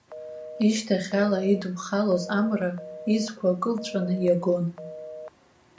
Ишьҭахьала идԥхалоз амра, изқәа кылҵәаны иагон.